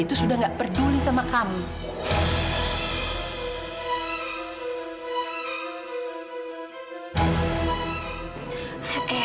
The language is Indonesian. kak fadilnya soalnya lagi sibuk banget ya